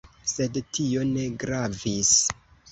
Sed tio ne gravis.